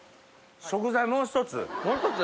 食材もう一つ？